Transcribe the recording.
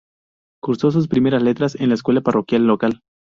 Cursó sus primeras letras en la escuela parroquial local.